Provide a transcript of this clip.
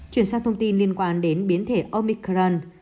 chuyển sang thông tin liên quan đến biến thể omicuran